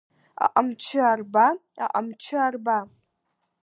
Аҟамчы арба, аҟамчы арба!